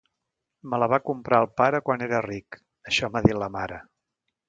Me la va comprar el pare quan era ric... això m'ha dit la mare!